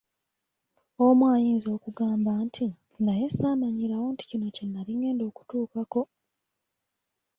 Omu ayinza okugamba nti, "Naye saamanyirawo nti kino kye nnali ngenda okutuukako.!